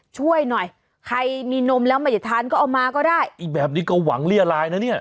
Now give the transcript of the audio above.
ช่วยหน่อยใครมีนมแล้วไม่ได้ทานก็เอามาก็ได้อีกแบบนี้ก็หวังเรียรายนะเนี่ย